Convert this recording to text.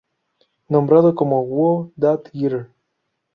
Nombrado como "Who's That Girl?